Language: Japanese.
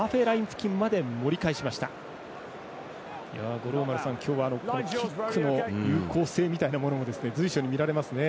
五郎丸さん、今日はキックの有効性みたいなものも随所に見られますね。